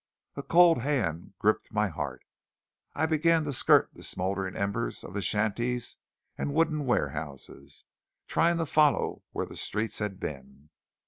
A cold hand gripped my heart. I began to skirt the smouldering embers of the shanties and wooden warehouses, trying to follow where the streets had been.